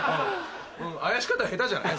あやし方下手じゃない？